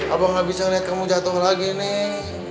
abah gak bisa liat kamu jatuh lagi neng